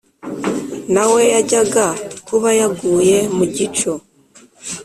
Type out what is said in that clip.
nawe yajyaga kuba yaguye mugico"